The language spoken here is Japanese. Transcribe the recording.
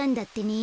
え